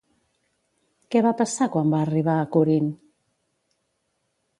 Què va passar quan va arribar a Corint?